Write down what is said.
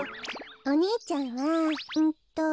お兄ちゃんはうんと。